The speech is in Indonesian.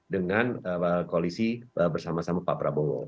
dengan koalisi bersama sama pak prabowo